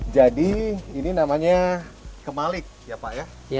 jadi ini namanya kemalik ya pak ya